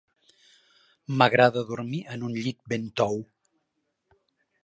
M'agrada dormir en un llit ben tou.